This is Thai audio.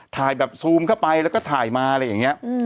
ถ่ายแบบซูมเข้าไปแล้วก็ถ่ายมาอะไรอย่างนี้